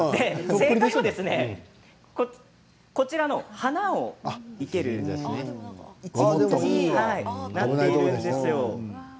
正解はこちらの花を生ける一輪挿しになっているんですよ。